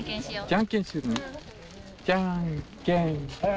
じゃんけんポン。